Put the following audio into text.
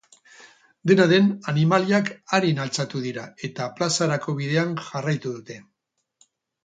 Dena den, animaliak arin altxatu dira, eta plazarako bidean jarraitu dute.